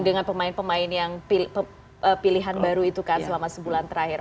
dengan pemain pemain yang pilihan baru itu kan selama sebulan terakhir